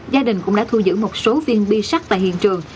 gia đình cũng đã thu giữ một số viên bi sắt tại hiện trường